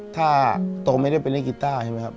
ถ้าโตไม่ได้เป็นนักกีต้าใช่ไหมครับ